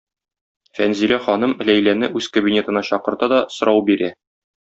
Фәнзилә ханым Ләйләне үз кабинетына чакырта да, сорау бирә